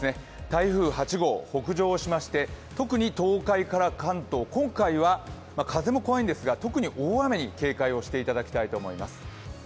台風８号、北上しまして、特に東海から関東、今回は風も怖いんですが特に大雨に警戒をしていただきたいと思います。